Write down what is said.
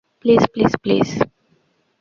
Please, please, please.